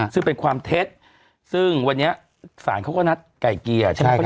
ซึ่งเป็นความเท็จซึ่งวันนี้ศาลเขาก็นัดไก่เกลี่ยใช่ไหม